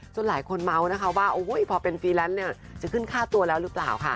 ซึ่งหลายคนเมาว์ว่าพอเป็นฟรีแลนส์จะขึ้นค่าตัวแล้วหรือเปล่า